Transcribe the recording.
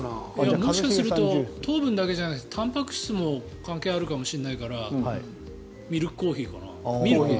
もしかすると糖分だけじゃなくてたんぱく質も関係あるかもしれないからミルクコーヒーか。